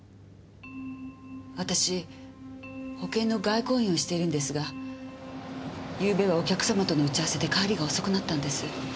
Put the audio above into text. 私保険の外交員をしているんですがゆうべはお客様との打ち合わせで帰りが遅くなったんです。